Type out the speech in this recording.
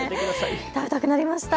食べたくなりました。